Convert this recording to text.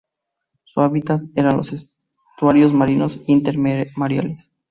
Su hábitat eran los estuarios marinos y intermareales.